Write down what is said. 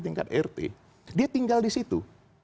tingkat ert dia tinggal disitu